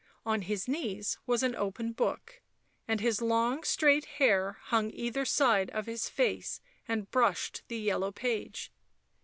On his knees was an open book, and his long straight hair hung either side of his face and brushed the yellow page.